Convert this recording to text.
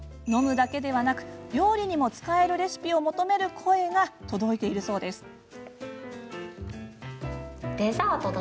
飲むだけではなく料理にも使えるレシピを求める声が届いているそうです。